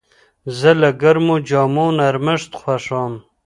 زه د ګرمو جامو نرمښت خوښوم.